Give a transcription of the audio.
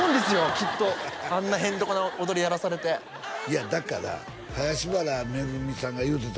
きっとあんなヘンテコな踊りやらされていやだから林原めぐみさんが言うてたよ